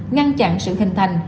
ngăn chặn sự hình thành